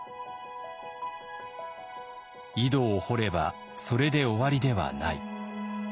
井戸を掘ればそれで終わりではない。